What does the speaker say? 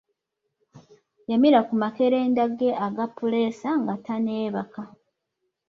Yamira ku makerenda ge aga puleesa nga tanneebaka.